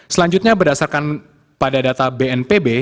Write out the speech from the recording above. selanjutnya berdasarkan pada data bnpb